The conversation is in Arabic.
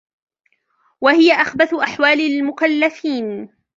وَهِيَ أَخْبَثُ أَحْوَالِ الْمُكَلَّفِينَ